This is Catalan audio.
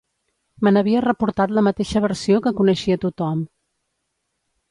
Me n’havia reportat la mateixa versió que coneixia tothom.